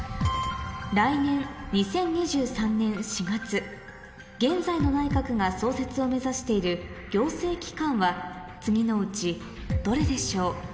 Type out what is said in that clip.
来年２０２３年４月現在の内閣が創設を目指している行政機関は次のうちどれでしょう？